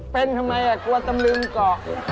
เป็นทำไมกลัวตำลึงเกาะ